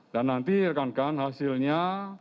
dan nanti rekan rekan hasilnya